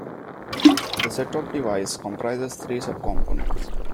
The set-top device comprises three subcomponents.